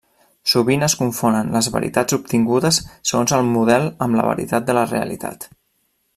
Sovint es confonen les veritats obtingudes segons el model amb la veritat de la realitat.